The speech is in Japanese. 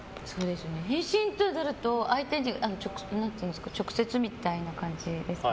返信ってなると相手に直接みたいな感じですか。